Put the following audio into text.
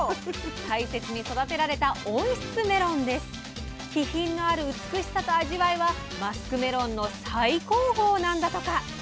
大切に育てられた気品のある美しさと味わいはマスクメロンの最高峰なんだとか！